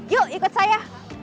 yuk ikut saya